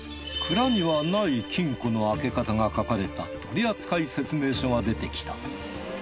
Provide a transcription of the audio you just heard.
蔵にはない金庫の開け方が書かれた取扱説明書が出てきた。